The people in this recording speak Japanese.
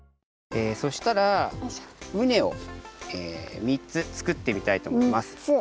そしたらウネをみっつ作ってみたいとおもいます。